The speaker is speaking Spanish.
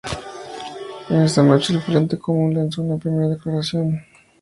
Esa noche, el Frente Común lanzó su primera declaración.